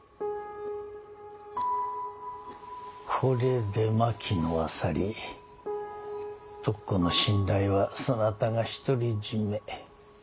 これで牧野は去り徳子の信頼はそなたが独り占め。